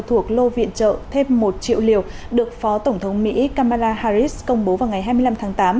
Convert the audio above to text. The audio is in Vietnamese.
thuộc lô viện trợ thêm một triệu liều được phó tổng thống mỹ kamala harris công bố vào ngày hai mươi năm tháng tám